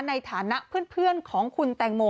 ในฐานะเพื่อนของคุณแตงโม